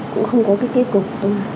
cũng không có cái kết cục đâu